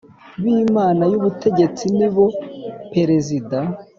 b Inama y Ubutegetsi nibo Perezida